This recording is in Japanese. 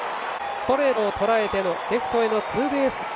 ストレートをとらえてのレフトへのツーベースヒット。